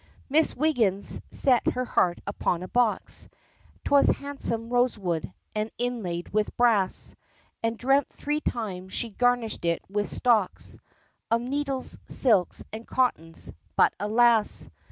Miss Wiggins set her heart upon a box, 'Twas handsome rosewood, and inlaid with brass, And dreamt three times she garnished it with stocks Of needles, silks, and cottons but, alas!